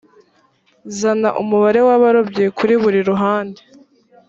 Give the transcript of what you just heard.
zana umubare w’abarobyi kuri buri ruhande